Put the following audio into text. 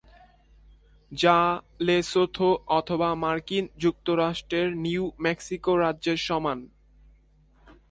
যা লেসোথো অথবা মার্কিন যুক্তরাষ্ট্রের নিউ মেক্সিকো রাজ্যর সমান।